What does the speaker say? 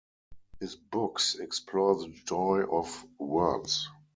His books explore the joy of words.